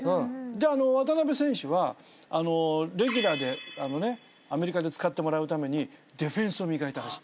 渡邊選手はレギュラーでアメリカで使ってもらうためにディフェンスを磨いたらしい。